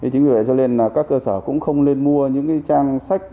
chính vì vậy cho nên là các cơ sở cũng không nên mua những trang sách